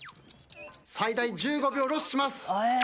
最大１５秒ロスします。